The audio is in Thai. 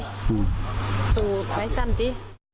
สูตรไปสั้นนิ